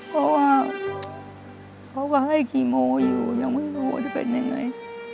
เพราะว่าเขาก็ให้คีโมอยู่ยังไม่รู้ว่าจะอ่าย